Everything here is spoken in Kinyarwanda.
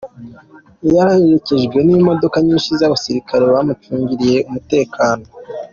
Yaranaherekejwe n'imodoka nyinshi z'abasirikare bamucungereye umutekano.